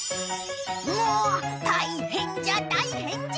ぬおたいへんじゃたいへんじゃ！